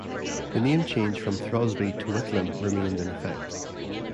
The name change from Throsby to Whitlam remained in effect.